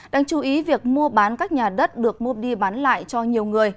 đang chú ý việc mua bán các nhà đất được mua đi bán lại cho nhiều người